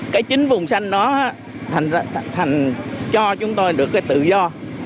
cái chính vùng xanh đó thành cho chúng tôi được cái tự do